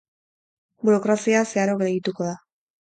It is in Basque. Burokrazia zeharo gehituko da.